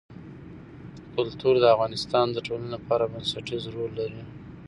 کلتور د افغانستان د ټولنې لپاره بنسټيز رول لري.